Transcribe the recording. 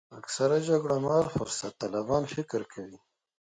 اکثره جګړه مار فرصت طلبان فکر کوي.